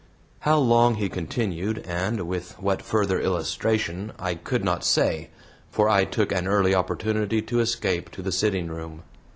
How long he continued and with what further illustration I could not say, for I took an early opportunity to escape to the sitting room.